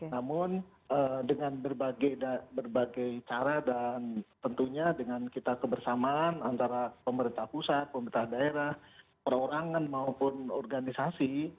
namun dengan berbagai cara dan tentunya dengan kita kebersamaan antara pemerintah pusat pemerintah daerah perorangan maupun organisasi